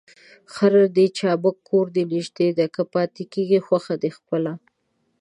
خر دي چابک کور دي نژدې دى ، که پاته کېږې خوښه دي خپله.